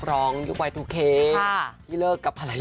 โดมเนี้ยบอกเลยว่าโอ้โห